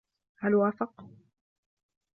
هل وافق؟